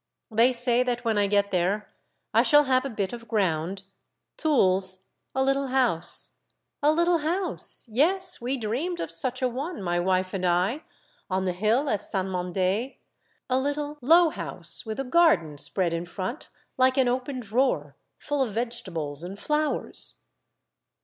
They say that when I get there I shall have a bit of ground, tools, a little house. A little house ! yes, we dreamed of such a one, my wife and I, on the hill at Saint Mand6, a little, low house, with a garden spread in front hke an open drawer, full of vegetables and flowers.